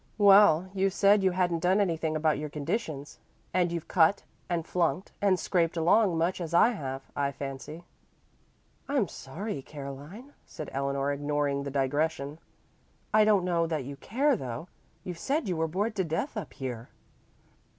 "Well, you said you hadn't done anything about your conditions, and you've cut and flunked and scraped along much as I have, I fancy." "I'm sorry, Caroline," said Eleanor, ignoring the digression. "I don't know that you care, though. You've said you were bored to death up here."